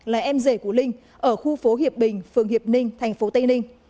là em rể của linh ở khu phố hiệp bình phường hiệp ninh tp tây ninh